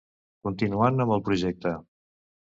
Continuant amb el projecte.